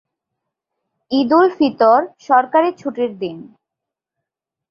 ঈদুল ফিতর সরকারী ছুটির দিন।